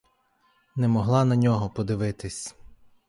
Не могла на нього подивитись.